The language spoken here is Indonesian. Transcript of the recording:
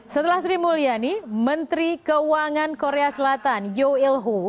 setelah sri mulyani menteri keuangan korea selatan yoel hu